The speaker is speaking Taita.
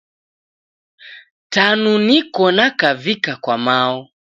Tanu niko nakavika kwa mao.